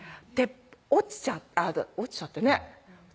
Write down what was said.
あらっ落ちちゃってね